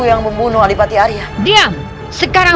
dengkerun ke ciematku padahal perub nyij pakistan